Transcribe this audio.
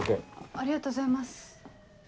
ありがとうございます。